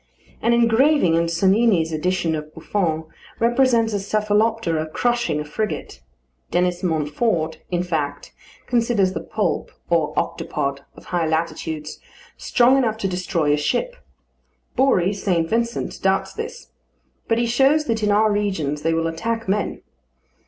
An engraving in Sonnini's edition of Buffon represents a Cephaloptera crushing a frigate. Denis Montfort, in fact, considers the Poulp, or Octopod, of high latitudes, strong enough to destroy a ship. Bory Saint Vincent doubts this; but he shows that in our regions they will attack men.